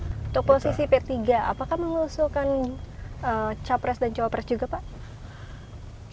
untuk posisi p tiga apakah mengusulkan capres dan cawapres juga pak